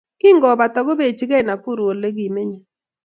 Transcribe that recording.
Kingopata kobechikei nakuru Ole kimenyei